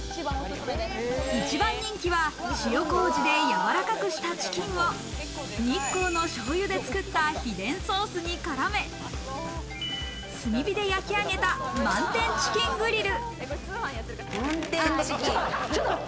一番人気は塩麹でやわらかくしたチキンを日光の醤油で作った秘伝ソースに絡め、炭火で焼き上げたマンテンチキングリル。